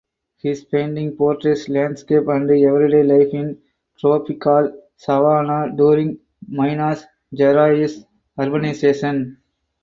His painting portrays landscape and everyday life in tropical savanna during Minas Gerais urbanization.